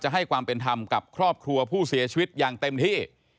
ให้ความเป็นธรรมกับครอบครัวผู้เสียชีวิตอย่างเต็มที่